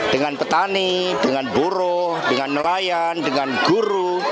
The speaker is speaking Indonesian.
dengan petani dengan buruh dengan nelayan dengan guru